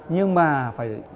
nhưng mà phải